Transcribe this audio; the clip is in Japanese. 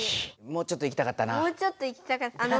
もうちょっといきたかったな。